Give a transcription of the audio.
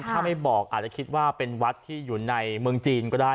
ถ้าไม่บอกอาจจะคิดว่าเป็นวัดที่อยู่ในเมืองจีนก็ได้